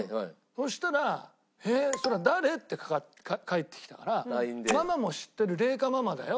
そしたら「へえそれ誰？」って返ってきたから「ママも知ってる麗華ママだよ」